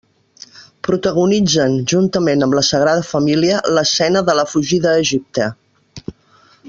Protagonitzen, juntament amb la Sagrada Família, l'escena de la fugida a Egipte.